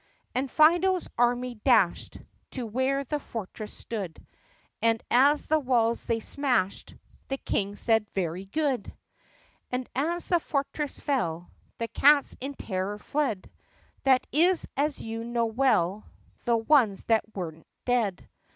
And Fido's army dashed To where the fortress stood, And as the walls they smashed The King said, "Very good !" And as the fortress fell The cats in terror fled, That is, as you know well. The ones that were n't dead.